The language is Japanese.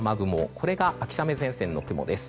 これが秋雨前線の雲です。